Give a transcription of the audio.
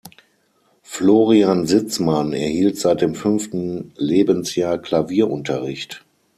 Florian Sitzmann erhielt seit dem fünften Lebensjahr Klavierunterricht.